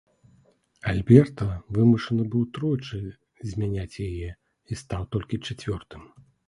Альберта вымушаны быў тройчы змяняць яе, і стаў толькі чацвёртым.